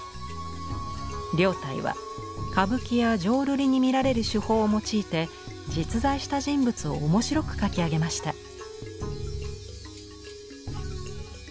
凌岱は歌舞伎や浄瑠璃に見られる手法を用いて実在した人物を面白く書き上げました。